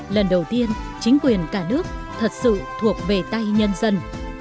lần đầu tiên chính quyền cả nước thật sự thuộc về tay nhân dân